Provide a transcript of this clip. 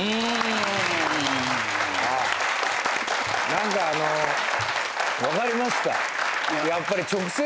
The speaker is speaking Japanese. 何かあのう分かりました。